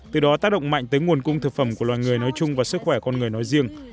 từ đó tác động mạnh tới nguồn cung thực phẩm của loài người nói chung và sức khỏe con người nói riêng